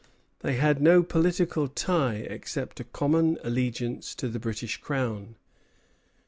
They had no political tie except a common allegiance to the British Crown.